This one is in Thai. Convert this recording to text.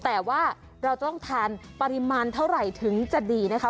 แต่ว่าเราจะต้องทานปริมาณเท่าไหร่ถึงจะดีนะคะ